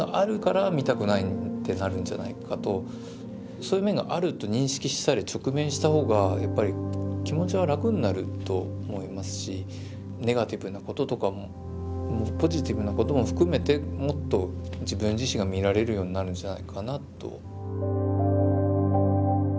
そういう面があると認識したり直面した方がやっぱり気持ちは楽になると思いますしネガティブなこととかもポジティブなことも含めてもっと自分自身が見られるようになるんじゃないかなと。